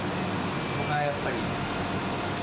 そこがやっぱり。